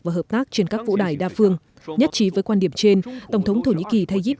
và hợp tác trên các vũ đài đa phương nhất trí với quan điểm trên tổng thống thổ nhĩ kỳ tayyip